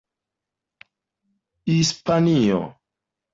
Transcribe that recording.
hispanio